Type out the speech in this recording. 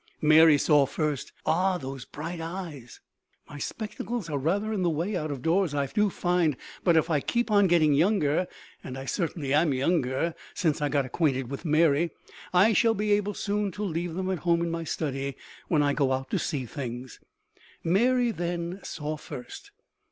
Mary saw first. Ah, those bright eyes! My spectacles are rather in the way out of doors, I find. But if I keep on getting younger and I certainly am younger since I got acquainted with Mary I shall be able soon to leave them at home in my study when I go out to see things. Mary, then, saw first.